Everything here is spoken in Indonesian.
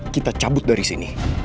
kita cabut dari sini